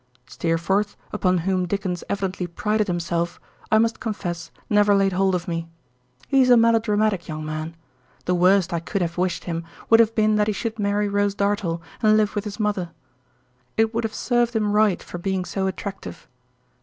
Steerforth, upon whom Dickens evidently prided himself, I must confess, never laid hold of me. He is a melodramatic young man. The worst I could have wished him would have been that he should marry Rose Dartle and live with his mother. It would have served him right for being so attractive.